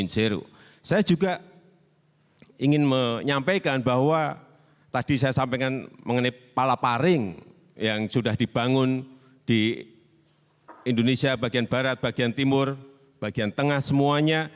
saya juga ingin menyampaikan bahwa tadi saya sampaikan mengenai palaparing yang sudah dibangun di indonesia bagian barat bagian timur bagian tengah semuanya